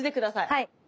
はい。